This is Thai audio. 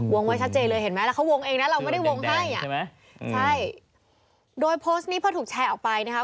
ไว้ชัดเจนเลยเห็นไหมแล้วเขาวงเองนะเราไม่ได้วงให้อ่ะใช่ไหมใช่โดยโพสต์นี้พอถูกแชร์ออกไปนะคะ